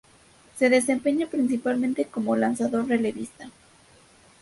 Se desempeña principalmente como lanzador relevista.